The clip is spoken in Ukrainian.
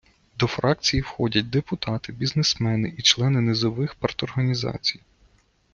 До фракції входять депутати - бізнесмени і члени низових парторганізацій.